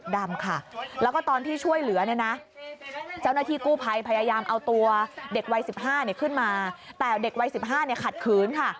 เด็กวัย๑๕ขึ้นมาแต่เด็กวัย๑๕ขัดคืนค่ะ